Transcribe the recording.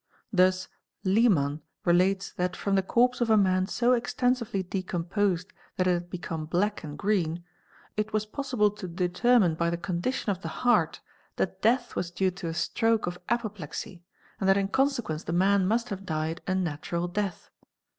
Thus Liman relates that from the corpse of a man 'so extensively decomposed that it had become black and green, it was possible to determine by the condition of the heart that death was due to a stroke of apoplexy and that in conse quence the man must have died a natural death.